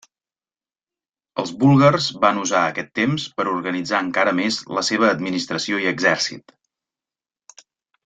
Els búlgars van usar aquest temps per organitzar encara més la seva administració i exèrcit.